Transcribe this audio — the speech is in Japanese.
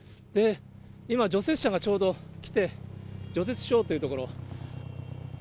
今、除雪車がちょうど来て、除雪しようというところ。